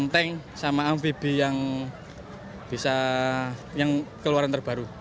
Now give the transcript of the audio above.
tank sama amphibie yang bisa yang keluaran terbaru